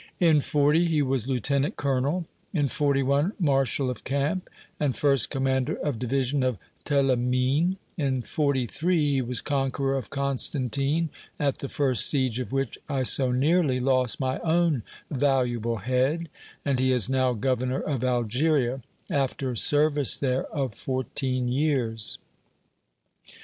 In '40 he was lieutenant colonel; in '41 marshal of camp, and first commander of division of Tlemeen; in '43, he was conqueror of Constantine, at the first siege of which I so nearly lost my own valuable head, and he is now Governor of Algeria, after service there of fourteen years."